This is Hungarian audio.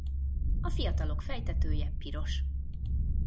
A fiatalok fejtetője piros.